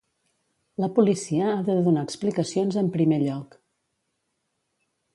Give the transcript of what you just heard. La policia ha de donar explicacions en primer lloc.